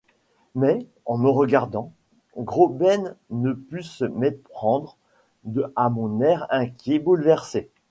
Mais, en me regardant, Graüben ne put se méprendre à mon air inquiet, bouleversé.